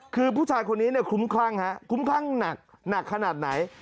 คือผู้ชายคนนี้คุ้มคร่างคุ้มคร่างหนักหนักขนาดไหน